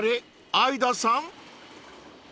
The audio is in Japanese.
相田さん？］